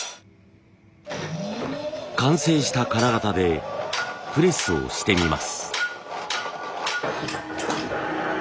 完成した金型でプレスをしてみます。